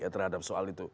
terhadap soal itu